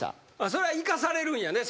それは行かされるんやね。